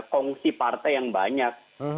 kongsi partai yang banyak